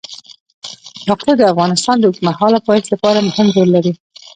یاقوت د افغانستان د اوږدمهاله پایښت لپاره مهم رول لري.